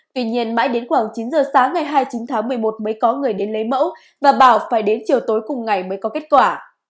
tuy nhiên mãi đến khoảng chín giờ sáng ngày hai mươi chín tháng một mươi một mới có người đến lấy mẫu và bảo phải đến chiều tối cùng ngày mới có kết quả